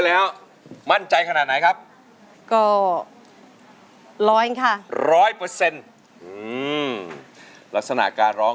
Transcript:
ได้ไหมครับท่าน